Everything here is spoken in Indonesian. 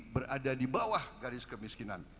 berada di bawah garis kemiskinan